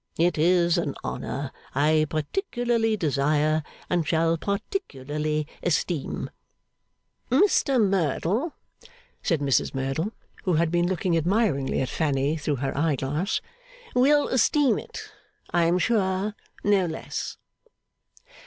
It is an honour I particularly desire and shall particularly esteem.' 'Mr Merdle,' said Mrs Merdle, who had been looking admiringly at Fanny through her eye glass, 'will esteem it, I am sure, no less.